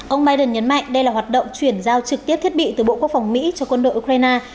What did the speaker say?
ông biden nhấn mạnh đây là hoạt động chuyển giao trực tiếp thiết bị từ bộ quốc phòng mỹ cho quân đội ukraine